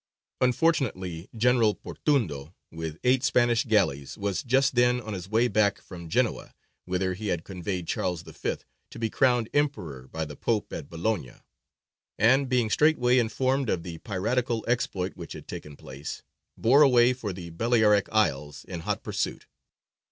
Unfortunately General Portundo, with eight Spanish galleys, was just then on his way back from Genoa, whither he had conveyed Charles V. to be crowned Emperor by the Pope at Bologna; and, being straightway informed of the piratical exploit which had taken place, bore away for the Balearic Isles in hot pursuit.